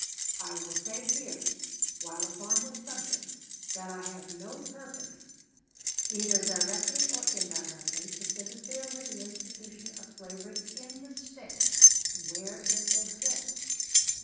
I will say here, while upon this subject, that I have no purpose, either directly or indirectly, to interfere with the institution of slavery in the States where it exists.